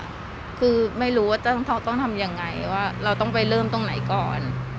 คือไม่รู้ว่าต้องทำยังไงว่าเราต้องไปเริ่มตรงไหนก่อน